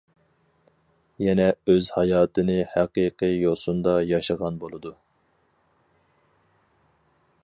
يەنى ئۆز ھاياتىنى ھەقىقىي يوسۇندا ياشىغان بولىدۇ.